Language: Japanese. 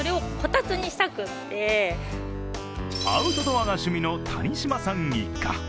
アウトドアが趣味の谷島さん一家。